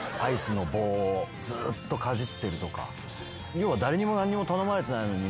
要は誰にも何にも頼まれてないのに。